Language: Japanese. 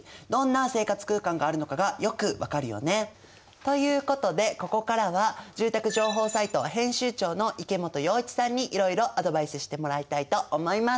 ということでここからは住宅情報サイト編集長の池本洋一さんにいろいろアドバイスしてもらいたいと思います！